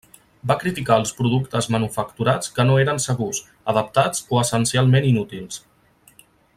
Va criticar els productes manufacturats que no eren segurs, adaptats, o essencialment inútils.